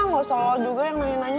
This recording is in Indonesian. gak usah lo juga yang nanya nanya